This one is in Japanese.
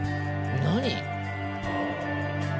何？